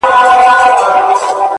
• يوه ورځ ابليس راټول كړل اولادونه ,